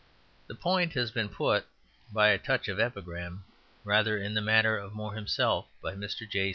The point has been put, by a touch of epigram rather in the manner of More himself, by Mr. J.